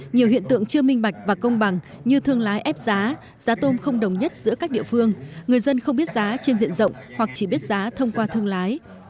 nhiều hiện tượng chưa minh bạch và công bằng như thương lái ép giá giá tôm không đồng nhất giữa các địa phương người dân không biết giá trên diện rộng hoặc chỉ biết giá thông qua thương lái